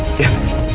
aduh ya ya